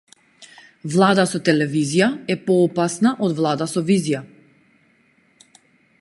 Влада со телевизија е поопасна од влада со визија.